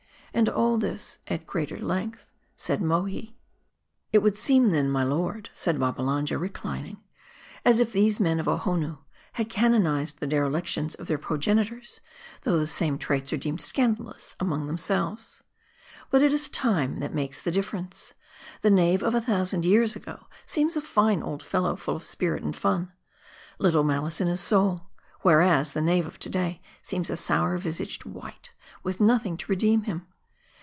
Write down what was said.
And all this, at greater length, said Mohi. " It would seem, then, my lord," said Babbalanja, re clining, "as if these men of Ohonoo had canonized the dere lictions of their progenitors, though the same traits are deemed scandalous among themselves. But it is time that makes the difference. The knave of a thousand years ago seems a fine old fellow full of spirit and fun, little malice in his soul ; whereas, the knave of to day seems a sour visaged wight, with nothing to redeem him.